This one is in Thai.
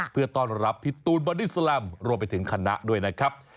เพื่อต้อนรับพี่ตูนบอดี้แลมรวมไปถึงคณะด้วยนะครับ